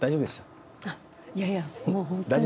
いやいやもう本当に。